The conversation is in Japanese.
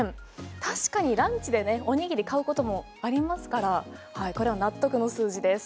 確かにランチでおにぎり買うこともありますからこれは納得の数字です。